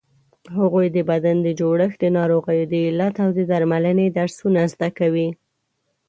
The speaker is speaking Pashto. هغوی د بدن د جوړښت، د ناروغیو د علت او درملنې درسونه زده کوي.